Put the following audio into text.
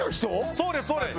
そうですそうです。